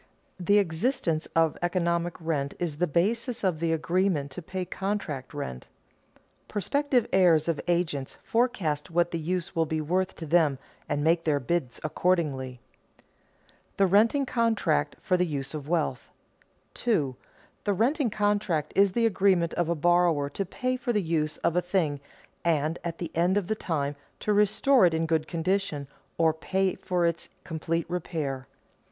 The existence of economic rent is the basis of the agreement to pay contract rent. Prospective hirers of agents forecast what the use will be worth to them and make their bids accordingly. [Sidenote: The renting contract for the use of wealth] 2. _The renting contract is the agreement of a borrower to pay for the use of a thing and, at the end of the time, to restore it in good condition or pay for its complete repair.